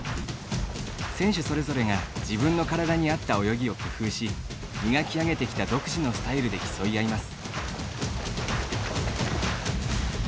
選手それぞれが自分の体にあった泳ぎを工夫し磨き上げてきた独自のスタイルで競い合います。